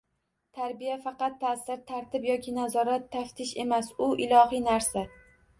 Tarbiya – faqat ta'sir, tartib yoki nazorat, taftish emas, u ilohiy narsa